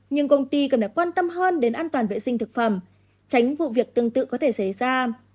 nhưng công ty cần phải quan tâm hơn đến an toàn vệ sinh thực phẩm tránh vụ việc tương tự có thể xảy ra